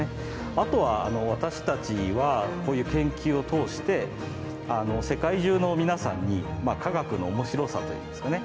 あとは私たちはこういう研究を通して世界中の皆さんに科学の面白さというんですかね